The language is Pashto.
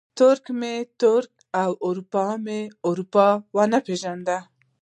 ترکي مې ترکي او اروپایي مې اروپایي ونه پېژني.